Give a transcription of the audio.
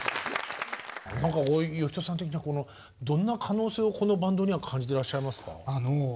呼人さん的にはどんな可能性をこのバンドには感じてらっしゃいますか？